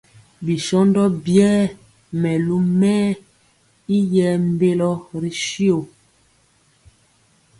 Bi shóndo biɛɛ melu mɛɛ y yɛɛ mbélo ri shó.